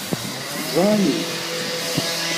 Ẓran-iyi.